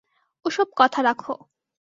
ও-সব কথা রাখো।